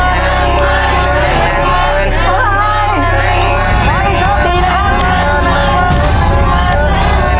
หนังหมาย